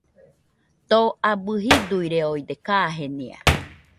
Too abɨ jiduireoide kajenia.